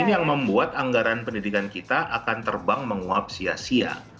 ini yang membuat anggaran pendidikan kita akan terbang menguap sia sia